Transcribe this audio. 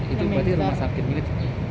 itu berarti rumah sakit mirip